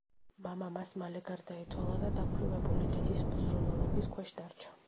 მამა მას მალე გარდაეცვალა და დაქვრივებული დედის მზრუნველობის ქვეშ დარჩა.